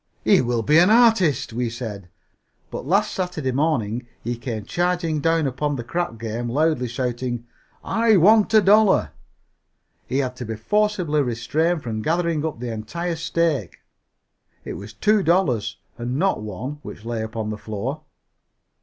"He will be an artist," we said, but last Saturday morning he came charging down upon the crap game loudly shouting, "I want a dollar!" He had to be forcibly restrained from gathering up the entire stake it was two dollars and not one which lay upon the floor.